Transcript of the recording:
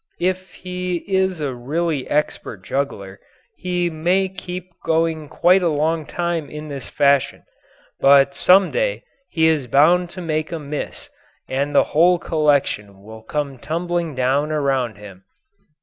If he is a really expert juggler, he may keep going quite a long time in this fashion, but some day he is bound to make a miss and the whole collection will come tumbling down around him.